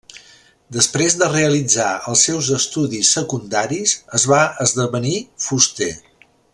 Després de realitzar els seus estudis secundaris es va esdevenir fuster.